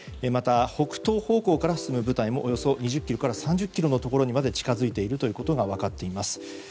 また北東方向から進む部隊もおよそ２０ｋｍから３０ｋｍのところにまで近づいているということが分かっています。